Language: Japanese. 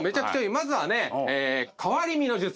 まずはね変わり身の術。